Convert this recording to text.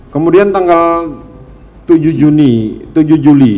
kemudian tanggal tujuh juli